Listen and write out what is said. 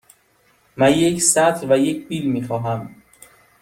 من یک سطل و یک بیل می خواهم.